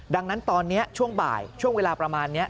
ดังนั้นตอนนี้ช่วงบ่ายช่วงเวลาประมาณนี้